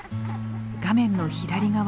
画面の左側。